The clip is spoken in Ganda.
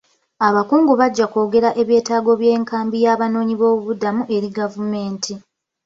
Abakungu bajja kwogera eby'etaago by'enkambi y'abanoonyiboobubudamu eri gavumenti.